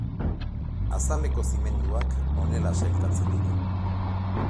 Azaleko zimenduak honela sailkatzen dira.